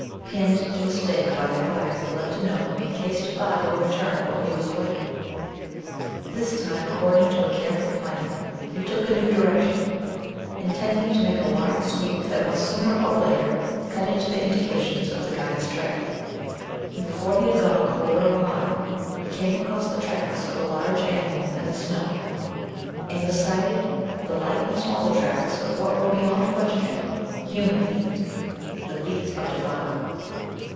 Pinned to a stake by the fire he left a note in case Défago returned while he was away. This time, according to a careful plan, he took a new direction, intending to make a wide sweep that must sooner or later cut into indications of the guide's trail; and, before he had gone a quarter of a mile he came across the tracks of a large animal in the snow, and beside it the light and smaller tracks of what were beyond question human feet the feet of Défago.